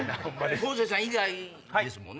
方正さん以外ですもんね。